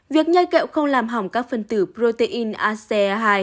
việc nhai kẹo không làm hỏng các phần tử protein ace hai